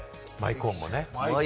コーンもね。